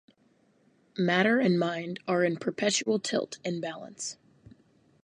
Matter and mind are in perpetual tilt and balance.